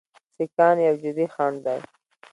سیکهان یو جدي خنډ دی.